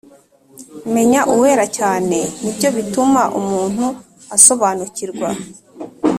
menya Uwera cyane ni byo bituma umuntu asobanukirwa